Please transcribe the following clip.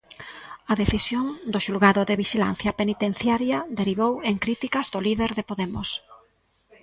A decisión do Xulgado de Vixilancia Penitenciaría derivou en críticas do líder de Podemos.